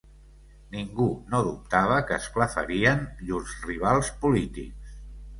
Ningú no dubtava que esclafarien llurs rivals polítics